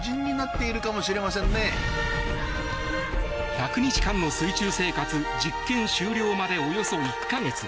１００日間の水中生活実験終了までおよそ１か月。